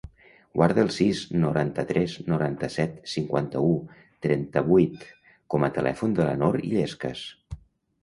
Guarda el sis, noranta-tres, noranta-set, cinquanta-u, trenta-vuit com a telèfon de la Nor Illescas.